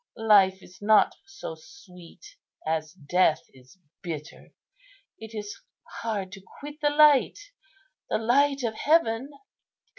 Life is not so sweet as death is bitter. It is hard to quit the light, the light of heaven."